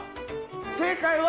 正解は！